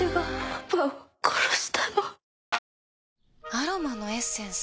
アロマのエッセンス？